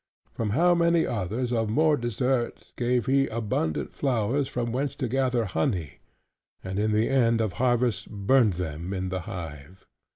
To how many others of more desert gave he abundant flowers from whence to gather honey, and in the end of harvest burnt them in the hive?